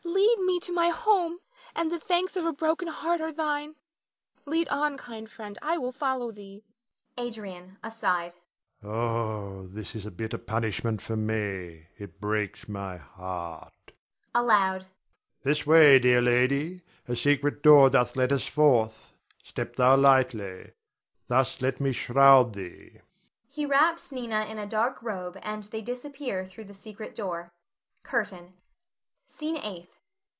Lead me to my home, and the thanks of a broken heart are thine. Lead on, kind friend, I will follow thee. Adrian [aside]. Oh, this is a bitter punishment for me. It breaks my heart. [Aloud.] This way, dear lady, a secret door doth let us forth; step thou lightly. Thus let me shroud thee. [He wraps Nina in a dark robe, and they disappear thro' the secret door. CURTAIN. SCENE EIGHTH.